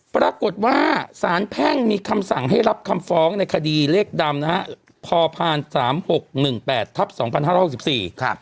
ปรากฏว่าสารแพ่งมีคำสั่งให้รับคำฟ้องในคดีเลขดำนะฮะพพ๓๖๑๘๒๕๖๔ครับ